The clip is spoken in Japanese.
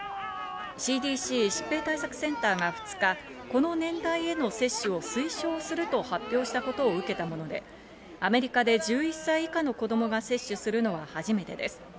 ＣＤＣ＝疾病対策センターが２日、この年代への接種を推奨すると発表したことを受けたもので、アメリカで１１歳以下の子供が接種するのは初めてです。